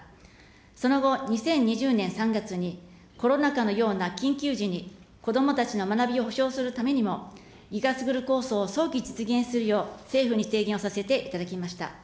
その後、２０２０年３月に、コロナ禍のような緊急時に、子どもたちの学びを保障するためにも、ＧＩＧＡスクール構想を早期実現するよう、政府に提言をさせていただきました。